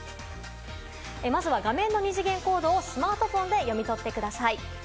まずは画面の二次元コードをスマートフォンで読み取ってください。